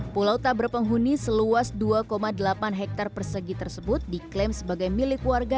pulau tak berpenghuni seluas dua delapan hektare persegi tersebut diklaim sebagai milik warga